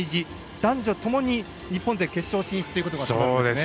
男女ともに日本勢、決勝進出が決まりますね。